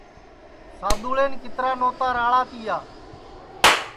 سادؔوݪین کِترا نوتا راݪا تیا